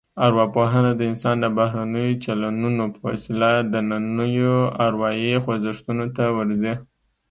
ارواپوهنه د انسان د بهرنیو چلنونو په وسیله دنننیو اروايي خوځښتونو ته ورځي